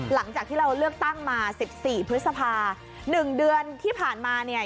หลังจากที่เราเลือกตั้งมา๑๔พฤษภา๑เดือนที่ผ่านมาเนี่ย